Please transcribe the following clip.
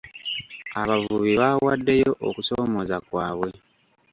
Abavubi baawaddeyo okusoomooza kwabwe.